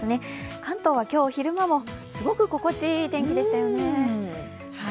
関東は今日昼間もすごく心地いい天気でしたよね。